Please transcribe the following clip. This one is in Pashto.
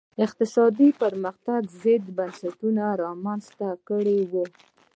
د اقتصادي پرمختګ ضد بنسټونه رامنځته کړي وو.